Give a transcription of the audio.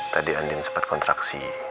tadi andin sempet kontraksi